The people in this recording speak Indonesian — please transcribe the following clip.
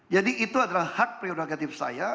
jadi itu adalah hak prerogatif saya